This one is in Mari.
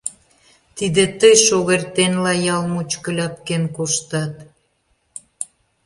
Тиде тый шогертенла ял мучко ляпкен коштат?